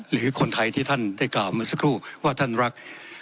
หรือคนไทยที่ท่านได้กล่าวเมื่อสักครู่ว่าท่านรัก